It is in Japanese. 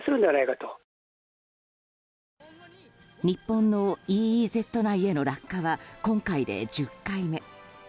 日本のＥＥＺ内への落下は今回で１０回目。